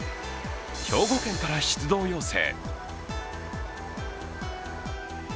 兵庫県から出動要請。